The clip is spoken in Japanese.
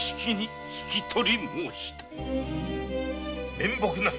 面目ない。